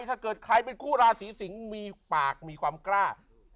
ถ้าเกิดใครเป็นคู่ราศีสิงศ์มีปากมีความกล้า